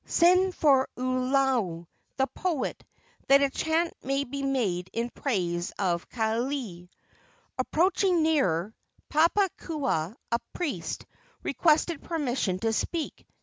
Send for Ualua, the poet, that a chant may be made in praise of Kaaialii." Approaching nearer, Papakua, a priest, requested permission to speak.